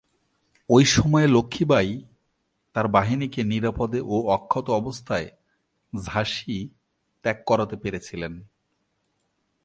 ঐ সময়ে লক্ষ্মী বাঈ তার বাহিনীকে নিরাপদে ও অক্ষত অবস্থায় ঝাঁসি ত্যাগ করাতে পেরেছিলেন।